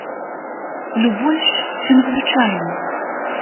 Сплю больш, чым звычайна.